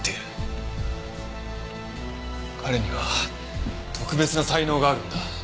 彼には特別な才能があるんだ。